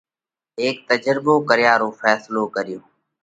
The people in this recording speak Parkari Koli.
هيڪ تجرڀو ڪريا رو ڦينصلو ڪريو۔